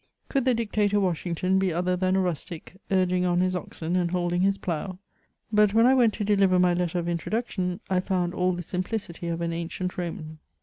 Could the Dic tator Washington be other than a rustic, urging on his oxen, and holding his plough ? But when I went to deliver my letter of introduction, I found all the simplicity of an ancient Roman.